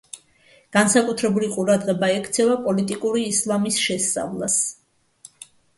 განსაკუთრებული ყურადღება ექცევა პოლიტიკური ისლამის შესწავლას.